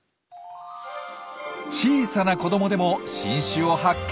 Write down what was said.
小さな子どもでも新種を発見できる！